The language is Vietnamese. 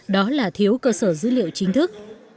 đó là thiếu cơ sở dữ liệu chính thức